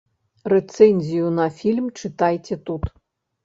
Рэцэнзію на фільм чытайце тут.